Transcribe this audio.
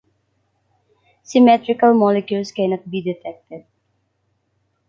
Symmetrical molecules cannot be detected.